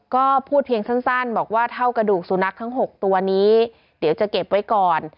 ก็พูดเพียงสั้นบอกว่าเท่ากระดูกสุนัขทั้ง๖ตัวนี้เดี๋ยวจะเก็บไว้ก่อน